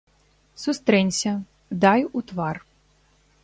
Сустрэнься, дай у твар.